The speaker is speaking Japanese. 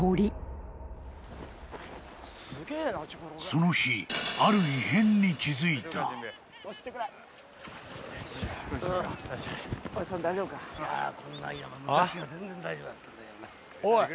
［その日ある異変に気付いた］あっ？おい。